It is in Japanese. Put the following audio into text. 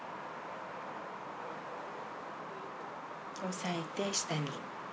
おさえて下に。